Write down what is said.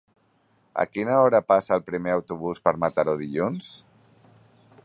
A quina hora passa el primer autobús per Mataró dilluns?